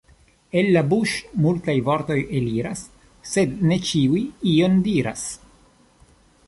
El la buŝ' multaj vortoj eliras, sed ne ĉiuj ion diras.